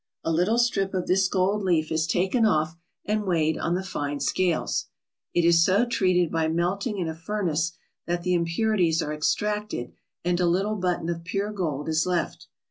A little strip of this gold leaf is taken off and weighed on the fine scales. It is so treated by melting in a furnace that the impurities are extracted and a little button of pure gold is left.